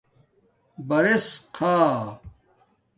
برس خآ